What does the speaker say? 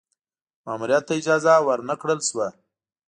ماموریت ته اجازه ور نه کړل شوه.